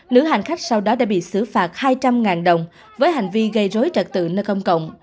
lứa hành khách sau đó đã bị xử phạt hai trăm linh đồng với hành vi gây rối trật tự nơi công cộng